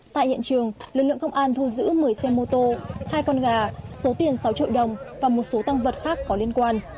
tại hiện trường lực lượng công an thu giữ một mươi xe mô tô hai con gà số tiền sáu triệu đồng và một số tăng vật khác có liên quan